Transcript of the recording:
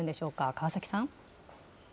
川崎さん。